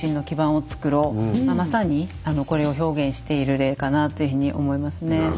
まさにこれを表現している例かなというふうに思いますね。